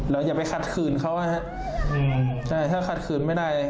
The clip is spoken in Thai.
อย่าไปขัดขืนเขานะฮะใช่ถ้าขัดขืนไม่ได้